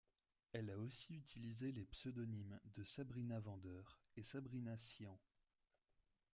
Elle a aussi utilisé les pseudonymes de Sabrina Vendeurs et Sabrina Syan.